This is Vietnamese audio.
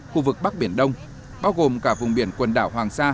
khu vực bắc biển đông bao gồm cả vùng biển quần đảo hoàng sa